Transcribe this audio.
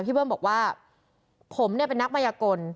เบิ้มบอกว่าผมเนี่ยเป็นนักมายกล